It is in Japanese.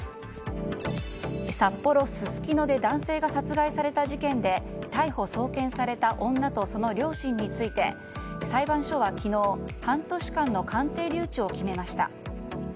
札幌・すすきので男性が殺害された事件で逮捕・送検された女とその両親について裁判所は昨日半年間の鑑定留置を決めました。